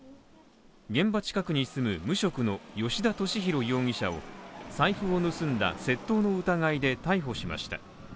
現場近くに住む無職の吉田俊博容疑者を財布を盗んだ窃盗の疑いで逮捕しました。